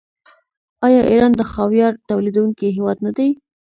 آیا ایران د خاویار تولیدونکی هیواد نه دی؟